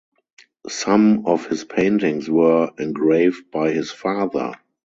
Some of his paintings were engraved by his father.